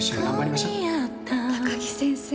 高木先生。